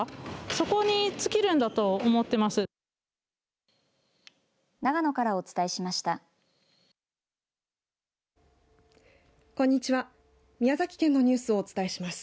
そこに尽きるんだと思っています。